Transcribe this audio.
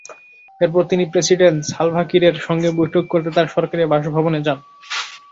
এরপর তিনি president Salva কিরের সঙ্গে বৈঠক করতে তাঁর সরকারি বাসভবনে যান।